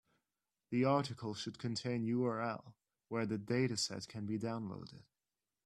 The article should contain URL where the dataset can be downloaded.